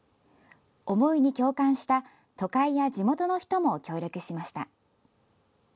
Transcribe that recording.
思いに共感した都会や地元の人も協力しました。